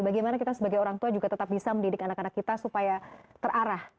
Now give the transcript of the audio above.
bagaimana kita sebagai orang tua juga tetap bisa mendidik anak anak kita supaya terarah